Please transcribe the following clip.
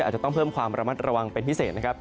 อาจจะต้องเพิ่มความระมัดระวังเป็นพิเศษนะครับ